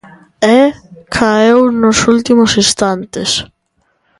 E caeu nos últimos instantes.